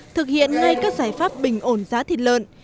thực hiện ngay các giải pháp bình ổn giá thịt lợn